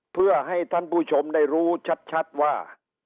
เพื่อให้ท่านผู้ชมได้รู้ชัดว่า